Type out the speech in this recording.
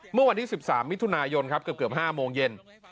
เมื่อวันที่๑๓มิถุนายนครับเกือบ๕โมงเย็น